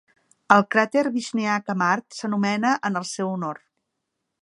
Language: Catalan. El cràter Vishniac a Mart s'anomena en el seu honor.